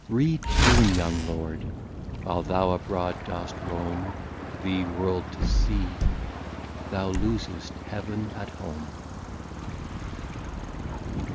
Return young Lord, while thou abroad dost rome The World to see, thou loosest Heaven at Home.